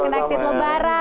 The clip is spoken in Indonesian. terima kasih semoga kembali